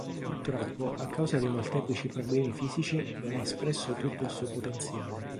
Purtroppo, a causa dei molteplici problemi fisici, non ha espresso tutto il suo potenziale.